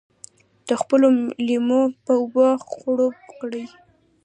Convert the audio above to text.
د خپلو لېمو په اوبو خړوب کړي.